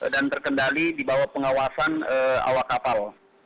dan terkendali di bawah pengawasan awak kapal